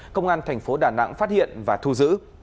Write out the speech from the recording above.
công an tp đà nẵng phát hiện và thu giữ